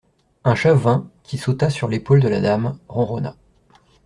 Un chat vint qui sauta sur l'épaule de la dame, ronronna.